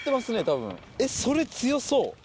たぶんえっそれ強そう。